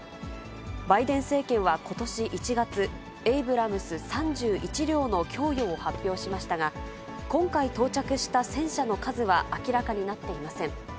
バイデン政権はことし１月、エイブラムス３１両の供与を発表しましたが、今回到着した戦車の数は明らかになっていません。